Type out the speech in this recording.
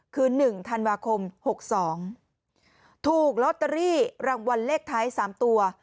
คือหนึ่งธันวาคมหกสองถูกล็อตเตอรี่รางวัลเลขท้ายสามตัว